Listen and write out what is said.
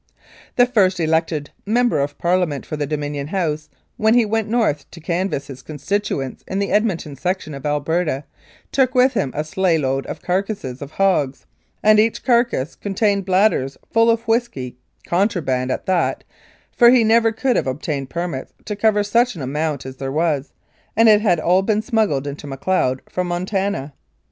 The first elected Member of Parliament for the Dominion House, when he went north to canvass his constituents in the Edmonton section of Alberta, took with him a sleigh load of carcasses of hogs, and each carcass contained bladders full of whisky, contraband at that, for he never could have obtained permits to cover such an amount as there was, and it had all been smuggled into Macleod from Montana.